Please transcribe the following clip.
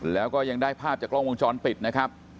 แล้วก็ยังได้ภาพจากกล้องวงจรปิดนะครับ